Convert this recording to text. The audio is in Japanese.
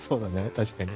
確かに。